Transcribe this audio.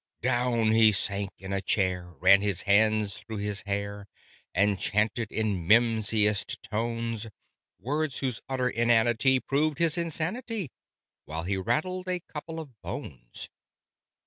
Down he sank in a chair ran his hands through his hair And chanted in mimsiest tones Words whose utter inanity proved his insanity, While he rattled a couple of bones.